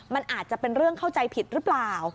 มันอาจจะเป็นเรื่องเข้าใจผิดหรือเปล่า